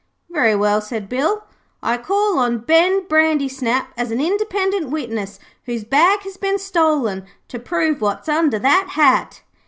'Very well,' said Bill. 'I call on Ben Brandysnap, as an independent witness whose bag has been stolen, to prove what's under that hat.'